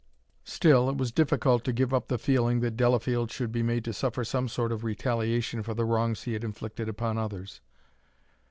Still, it was difficult to give up the feeling that Delafield should be made to suffer some sort of retaliation for the wrongs he had inflicted upon others.